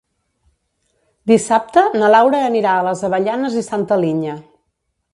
Dissabte na Laura anirà a les Avellanes i Santa Linya.